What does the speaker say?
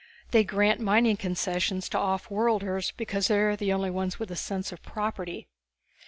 They grant mining concessions to offworlders because they are the only ones with a sense of property.